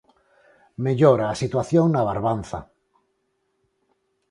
Mellora a situación na Barbanza.